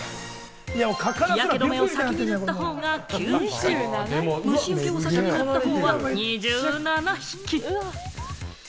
日焼け止めを先に塗った方が９匹、虫よけを先に塗ったほうは２７匹。